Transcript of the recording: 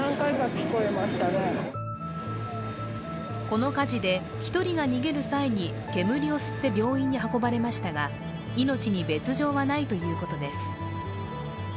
この火事で１人が逃げる際に煙を吸って病院に運ばれましたが命に別状はないということです。